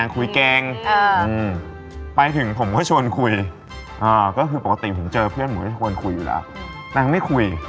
สนิทขับมันได้